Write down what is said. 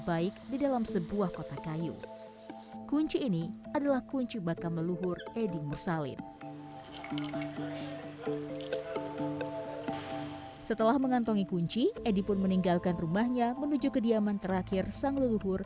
assalamualaikum warahmatullahi wabarakatuh